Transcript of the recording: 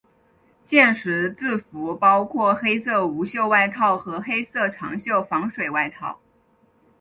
现时制服包括黑色无袖外套和黑色长袖防水外套。